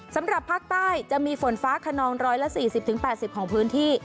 สำหรับภาคใต้จะมีฝนฟ้าขนอง๑๔๐๘๐ของพื้นที่